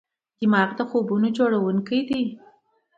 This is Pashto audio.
دماغ د خوبونو جوړونکی دی.